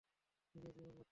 নিজের জীবন বাচাও।